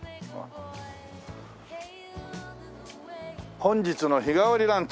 「本日の日替わりランチ」